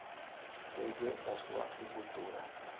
Segue la sua sepoltura.